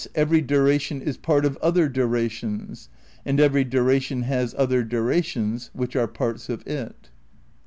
every duration is part of other durations; and every duration has other durations which are parts of it."'